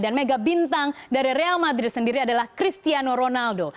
dan mega bintang dari real madrid sendiri adalah cristiano ronaldo